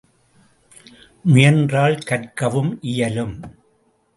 முயன்றால் கற்கவும் இயலும்.